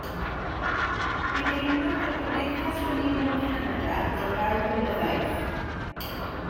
Bu'n aelod o Gymdeithas Frenhinol Canada am rai blynyddoedd.